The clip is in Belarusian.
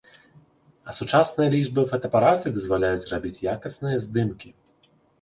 А сучасныя лічбавыя фотаапараты дазваляюць рабіць якасныя здымкі.